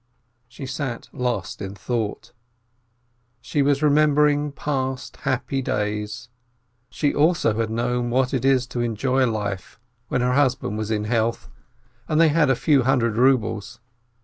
She sat lost in thought. She was remembering past happy days. She also had known what it is to enjoy life, when her husband was in health, and they had a few hundred rubles.